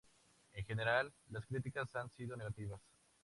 En general, las críticas han sido negativas.